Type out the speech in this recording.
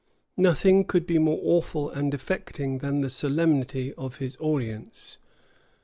Nothing could be more awful and affecting than the solemnity of his audience.